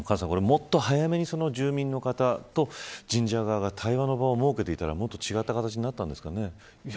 もっと早めに住民の方と神社側が対話の場を設けていたら違った形になったんですかね。